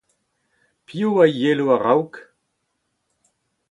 Piv a yelo a-raok ?